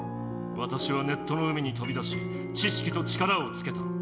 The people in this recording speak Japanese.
わたしはネットの海にとび出し知識と力をつけた。